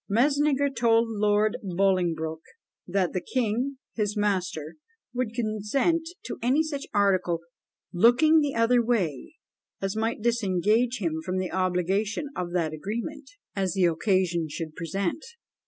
Mesnager told Lord Bolingbroke that "the king, his master, would consent to any such article, looking the other way, as might disengage him from the obligation of that agreement, as the occasion should present."